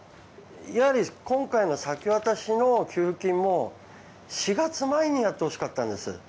やはり今回の先渡しの給付金も４月前にやってほしかったんです。